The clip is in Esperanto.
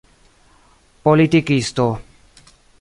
politikisto